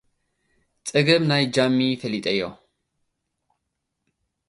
ጸገም ናይ ጃሚ ፈሊጠዮ።